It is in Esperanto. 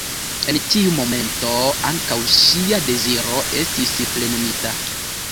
En tiu momento ankaŭ ŝia deziro estis plenumita.